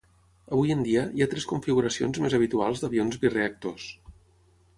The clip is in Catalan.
Avui en dia, hi ha tres configuracions més habituals d'avions bireactors.